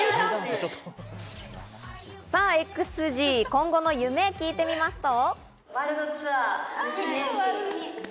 ＸＧ、今後の夢を聞いてみますと。